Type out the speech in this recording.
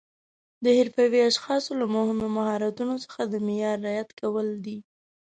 د حرفوي اشخاصو له مهمو مهارتونو څخه د معیار رعایت کول دي.